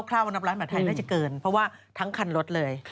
คร่าวนับล้านบาทไทยน่าจะเกินเพราะว่าทั้งคันรถเลย